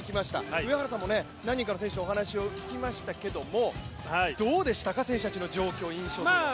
上原さんも何人かの選手のお話を聞きましたけれどもどうでしたか、選手たちの状況は？